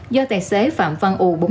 do tài xế phạm văn ú